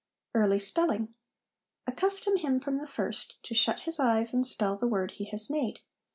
Early Spelling. Accustom him from the first to shut his eyes and spell the word he has made.